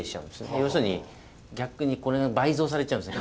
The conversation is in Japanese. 要するに逆にこれが倍増されちゃうんですね。